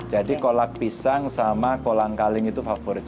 jadi kolak pisang sama kolang kaling itu favorit